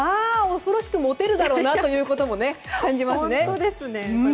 恐ろしくモテるだろうなということも感じますよね。